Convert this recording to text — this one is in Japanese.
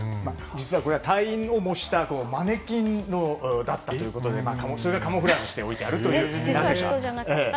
実は隊員を模したマネキンだったということでそれがカムフラージュして置いてあるという。